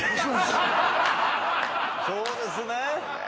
そうですね